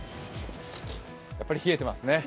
やっぱり冷えてますね。